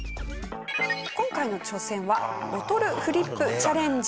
今回の挑戦はボトルフリップチャレンジ。